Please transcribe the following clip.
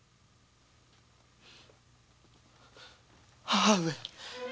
母上。